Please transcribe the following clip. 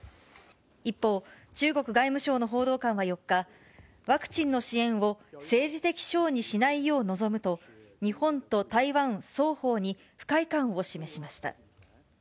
一方、中国外務省の報道官は４日、ワクチンの支援を、政治的ショーにしないよう望むと、日本と台湾双方に不快感を示しました。